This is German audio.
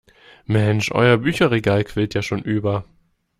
Mensch, euer Bücherregal quillt ja schon über.